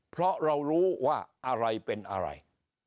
เพราะเรารู้ว่าอะไรเป็นอะไร